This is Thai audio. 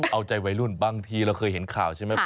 เอาใจวัยรุ่นบางทีเราเคยเห็นข่าวใช่ไหม